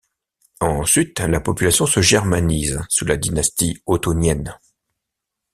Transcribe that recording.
Ensuite la population se germanise sous la dynastie ottonienne.